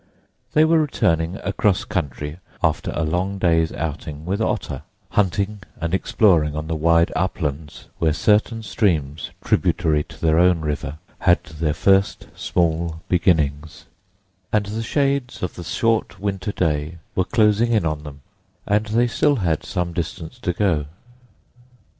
They were returning across country after a long day's outing with Otter, hunting and exploring on the wide uplands where certain streams tributary to their own River had their first small beginnings; and the shades of the short winter day were closing in on them, and they had still some distance to go.